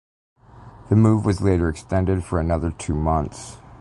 The move was later extended for another two months.